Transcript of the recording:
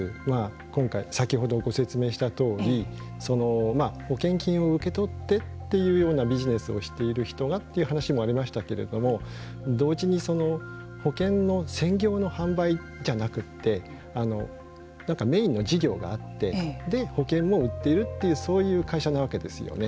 今回、先ほどご説明したとおり保険金を受け取ってというようなビジネスをしている人がという話もありましたけれども同時に保険の専業の販売じゃなくてメインの事業があって保険も売っているというそういう会社なわけですよね。